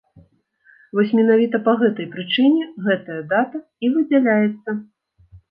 Вось менавіта па гэтай прычыне гэтая дата і выдзяляецца.